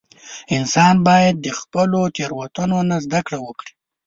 • انسان باید د خپلو تېروتنو نه زده کړه وکړي.